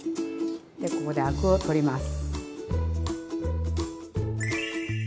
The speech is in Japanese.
でここでアクを取ります。